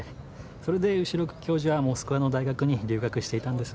それで後宮教授はモスクワの大学に留学していたんです。